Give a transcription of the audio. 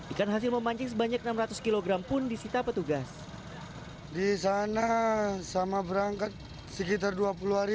ikan hasil memancing sebanyak enam ratus kg pun disita petugas di sana sama berangkat sekitar dua puluh hari